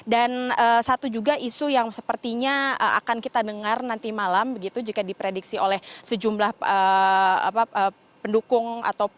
dan satu juga isu yang sepertinya akan kita dengar nanti malam begitu jika diprediksi oleh sejumlah pendukung